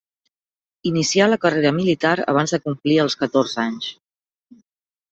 Inicià la carrera militar abans de complir els catorze anys.